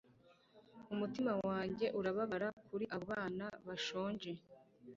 Umutima wanjye urababara kuri abo bana bashonje